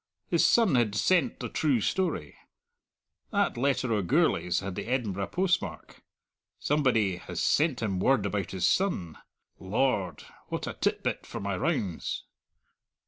His son had sent the true story. That letter o' Gourlay's had the Edinburgh postmark; somebody has sent him word about his son. Lord! what a tit bit for my rounds."